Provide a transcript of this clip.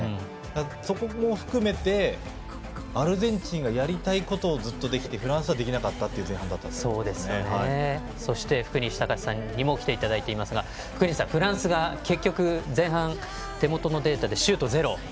そこも含めてアルゼンチンがやりたいことをずっと、できてフランスはできなかったというそして福西崇史さんにも来ていただいていますが福西さん、フランスが結局前半手元のデータでシュートがゼロ。